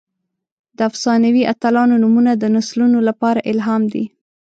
د افسانوي اتلانو نومونه د نسلونو لپاره الهام دي.